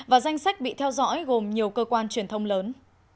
và danh sách bị theo dõi gồm nhiều cơ quan truyền thông lớn